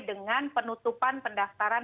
dengan penutupan pendaftaran